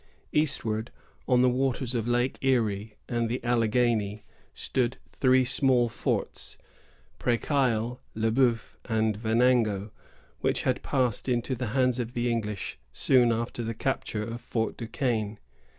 Eastward, on the waters of Lake Erie, and the Alleghany, stood three small forts, Presqu' Isle, Le Bœuf, and Venango, which had passed into the hands of the English soon after the capture of Fort du Quesne.